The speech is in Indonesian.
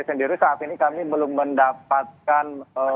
sendiri saat ini kami belum mendapatkan